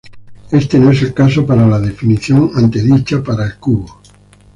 Éste no es el caso para la definición antedicha para el cubo.